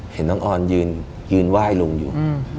เห็นน้องออนยืนไหว้ลุงอยู่